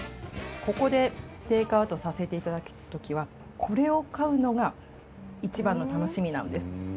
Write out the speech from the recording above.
ここでテイクアウトさせていただくときはこれを買うのがいちばんの楽しみなんです。